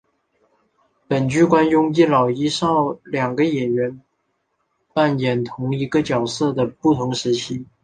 本剧惯用一老一少两个演员扮演同一个角色的不同时期。